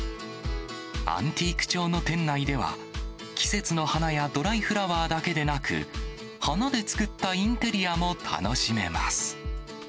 アンティーク調の店内では、季節の花やドライフラワーだけでなく、花で作ったインテリアも楽しめます。